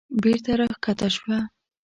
بېرته راکښته شوه.